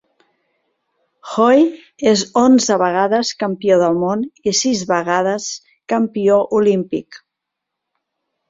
Hoy és onze vegades campió del món i sis vegades campió olímpic.